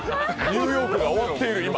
ニューヨークが終わっている、今。